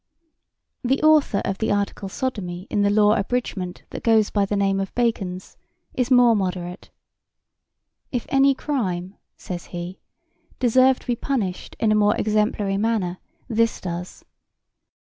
The author of the article Sodomy in the law abridgement that goes by the name of Bacon's is more moderate. "If any crime," says he, "deserve to be punished in a more exemplary manner this does.